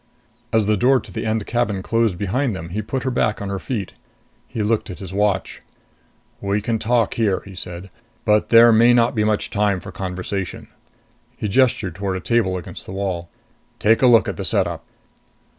As the door to the end cabin closed behind them, he put her back on her feet. He looked at his watch. "We can talk here," he said. "But there may not be much time for conversation." He gestured toward a table against the wall. "Take a look at the setup."